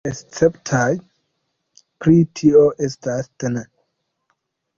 Esceptaj pri tio estas tn.